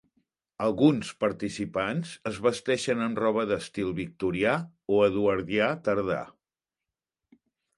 Alguns participants es vesteixen amb roba d'estil victorià o eduardià tardà.